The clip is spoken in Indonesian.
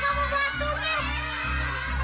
tunggu traksinya dari rocky